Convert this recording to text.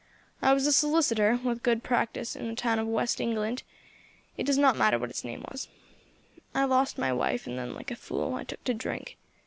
I was a solicitor, with a good practice, in a town of the west of England, it does not matter what it's name was. I lost my wife, and then, like a fool, I took to drink.